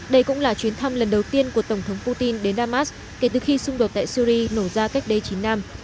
đây cũng là chuyến thăm lần đầu tiên của tổng thống putin đến damas kể từ khi xung đột tại syri nổ ra cách đây chín năm